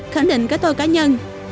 khẳng định cái tôi cá nhân